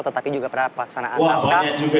tetapi juga pada saat pelaksanaan pascah